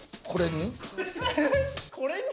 これに？